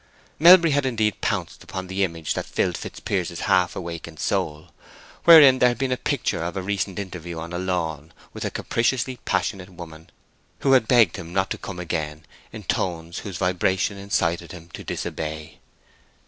Melbury had indeed pounced upon the image that filled Fitzpiers's half awakened soul—wherein there had been a picture of a recent interview on a lawn with a capriciously passionate woman who had begged him not to come again in tones whose vibration incited him to disobey.